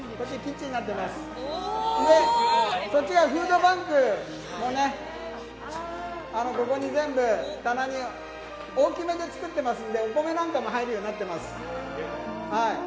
こっちがフードバンクのね、ここに全部、棚に、大きめで作ってますんで、お米なんかも入るようになってます。